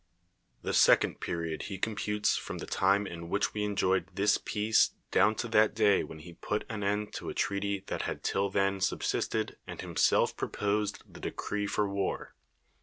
The second 201 THE WORLD'S FAMOUS ORATIONS period he computes from the time in which we enjoyed this peace dovv'n to that day when he put an end to a treaty that liad till then sub sisted and himself proposed the decree for war.